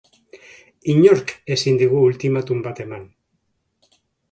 Inork ezin digu ultimatum bat eman.